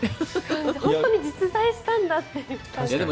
本当に実在したんだという感じ。